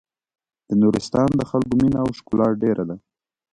د نورستان د خلکو مينه او ښکلا ډېره ده.